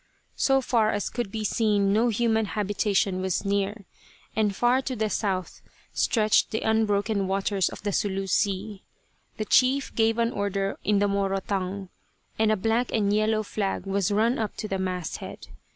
So far as could be seen no human habitation was near, and far to the south stretched the unbroken waters of the Sulu Sea. The chief gave an order in the Moro tongue, and a black and yellow flag was run up to the mast head.